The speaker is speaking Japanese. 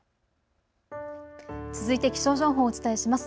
続いて気象情報をお伝えします。